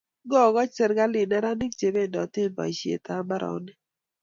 Ngo koch serikalit neranik che bendoti boishet eng' mbaronik